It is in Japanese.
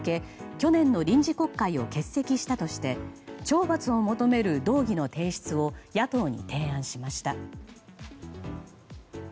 去年の臨時国会を欠席したとして懲罰を求める動議の提出を野党に提案しました。